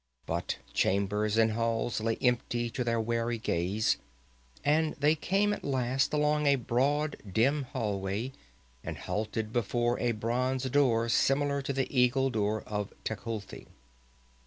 But chambers and halls lay empty to their wary gaze, and they came at last along a broad dim hallway and halted before a bronze door similar to the Eagle Door of Tecuhltli.